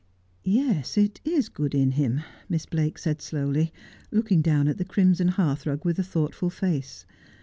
' Yes, it is good in him,' Miss Blake said slowly, looking down at the crimson hearthrug with a thoughtful face.